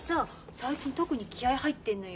最近特に気合い入ってんのよ。